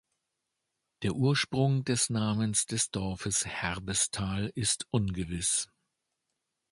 Der Ursprung des Namens des Dorfes Herbesthal ist ungewiss.